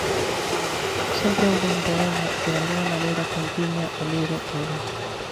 Sempre houbo un poema que dalgunha maneira contiña o libro todo.